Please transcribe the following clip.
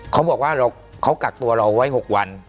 เขาบอกว่าเขากักตัวเราไว้๖วัน